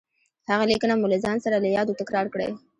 هغه ليکنه مو له ځان سره له يادو تکرار کړئ.